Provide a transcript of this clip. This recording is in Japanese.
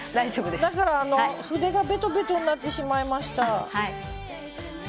だから、筆がベトベトになってしまいました。